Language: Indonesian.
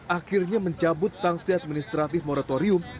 akhirnya mencabut sanksi administratif moratorium